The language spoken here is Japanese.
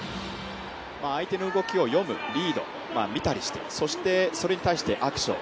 相手の動きを読むリード見たりしてそして、それに対してアクション。